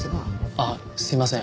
あっすいません。